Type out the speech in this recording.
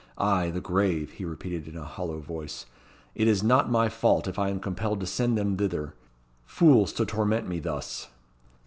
Ay, the grave," he repeated in a hollow voice; "it is not my fault if I am compelled to send them thither. Fools to torment me thus!"